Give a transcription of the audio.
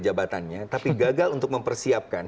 jabatannya tapi gagal untuk mempersiapkan